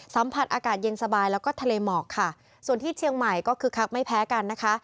สัมผัสอากาศเย็นสบายแล้วก็ทะเลหมอกค่ะส่วนที่เชียงใหม่ก็คึกคักไม่แพ้กันนะคะ